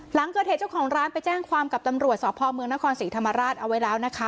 หลังเกิดเหตุเจ้าของร้านไปแจ้งความกับตำรวจสพเมืองนครศรีธรรมราชเอาไว้แล้วนะคะ